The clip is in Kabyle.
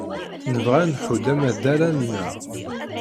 Nebɣa ad nḥudd amaḍal-a-nneɣ.